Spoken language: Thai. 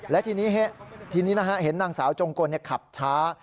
และทีนี้ทีนี้เห็นนางสาวจงกลขับช้า